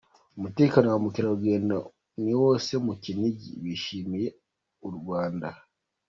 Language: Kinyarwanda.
Umutekano wa ba mukerarugendo ni wose mu Kinigi bishimiye u Rwanda